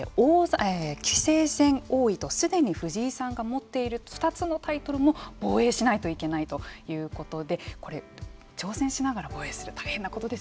棋聖戦王位とすでに藤井さんが持っている２つのタイトルも防衛しないといけないということでこれ挑戦しながら防衛するのは大変なことですよね。